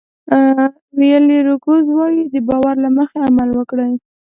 ویل روګرز وایي د باور له مخې عمل وکړئ.